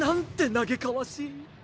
嘆かわしい！